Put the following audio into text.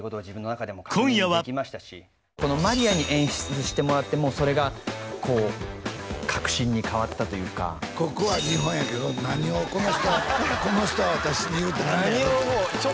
今夜はこのマリアに演出してもらってもうそれがこう確信に変わったというかここは日本やけど何をこの人はこの人は私に言うてはんねやろ？